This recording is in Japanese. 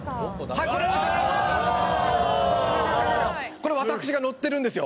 これ私が乗ってるんですよ。